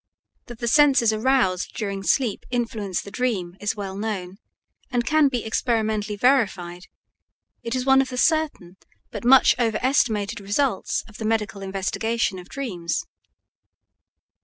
That the senses aroused during sleep influence the dream is well known, and can be experimentally verified; it is one of the certain but much overestimated results of the medical investigation of dreams.